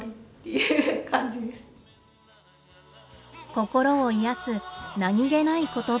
心を癒やす何気ない言葉。